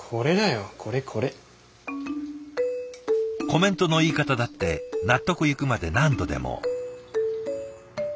コメントの言い方だって納得いくまで何度でも。